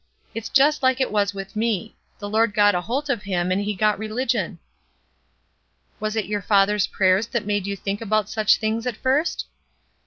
It's jest Uke it was with me; the Lord got a holt of him and he got religion." "Was it your father's prayers that made you think about such things at first?"